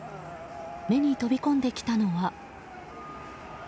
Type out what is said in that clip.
目に飛び込んできたのは。